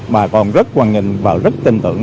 mà còn rất quan hệ và rất tin tưởng